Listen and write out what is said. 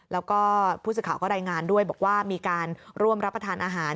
แล้วก็ผู้สื่อข่าวก็รายงานด้วยบอกว่ามีการร่วมรับประทานอาหาร